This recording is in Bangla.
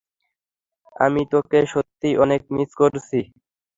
আমি তোকে সত্যিই অনেক মিস করছি।